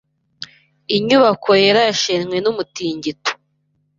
Inyubako yera yashenywe numutingito.